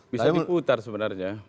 bisa diputar sebenarnya